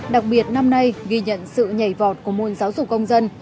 đặc biệt năm nay ghi nhận sự nhảy vọt của môn giáo dục công dân